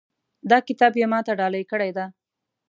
دا کتاب یې ما ته ډالۍ کړی ده